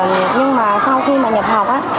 nhưng mà sau khi mà nhập học á